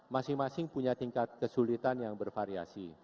masing masing punya tingkat kesulitan yang bervariasi